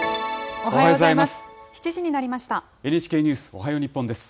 おはようございます。